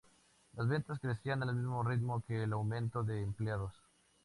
Las ventas crecían al mismo ritmo que el aumento de empleados.